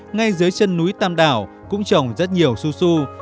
ngay dưới chân núi tam đảo cũng trồng rất nhiều su su